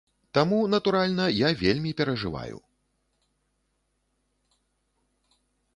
Таму, натуральна, я вельмі перажываю.